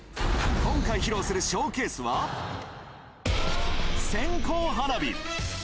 今回披露するショーケースは、線香花火。